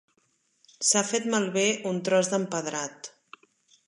S'ha fet malbé un tros d'empedrat.